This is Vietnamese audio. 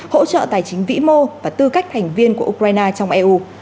hỗ trợ tài chính vĩ mô và tư cách thành viên của ukraine trong eu